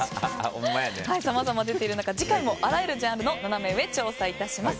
さまざま出ている中、次回もあらゆるジャンルのナナメ上調査いたします。